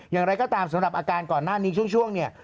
อย่างไรก็ตามสำหวัดของอาการก่อนหน้าช่วงนี่